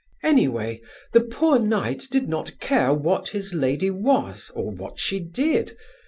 "Anyway, the 'poor knight' did not care what his lady was, or what she did.